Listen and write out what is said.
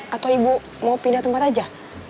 atau ibu mau pindah tempat aja